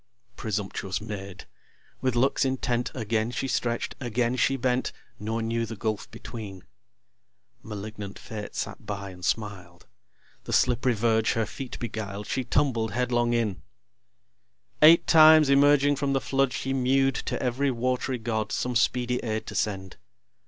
Presumptuous Maid! with looks intent Again she stretch'd, again she bent, Nor knew the gulf between. (Malignant Fate sat by, and smiled.) The slipp'ry verge her feet beguiled, She tumbled headlong in. Eight times emerging from the flood She mew'd to ev'ry wat'ry god, Some speedy aid to send.